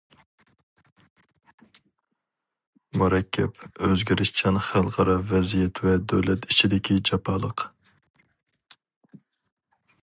مۇرەككەپ، ئۆزگىرىشچان خەلقئارا ۋەزىيەت ۋە دۆلەت ئىچىدىكى جاپالىق.